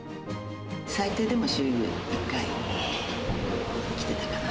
最低でも週に１回来てたかな。